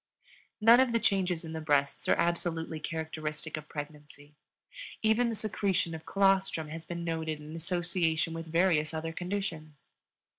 None of the changes in the breasts are absolutely characteristic of pregnancy; even the secretion of colostrum has been noted in association with various other conditions.